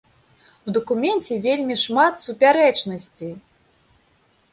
У дакуменце вельмі шмат супярэчнасцей!